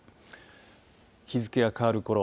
日付が変わるころ